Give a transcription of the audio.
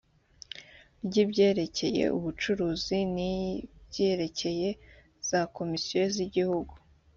ry ibyerekeye ubucuruzi n iy ibyerekeye za komisiyo z igihugu